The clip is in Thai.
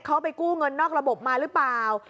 เขาไปกู้เงินนอกระบบมาหรือเปล่า